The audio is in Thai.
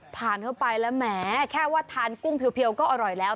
ทานเข้าไปแล้วแหมแค่ว่าทานกุ้งเพียวก็อร่อยแล้ว